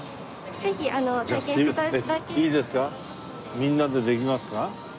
みんなでできますか？